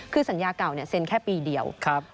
คือสัญญาเก่าเซ็นแค่ปีเดียว